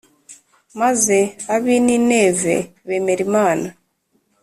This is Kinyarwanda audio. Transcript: Maze ab i Nineve bemera Imana